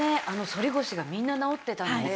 反り腰がみんな治ってたので。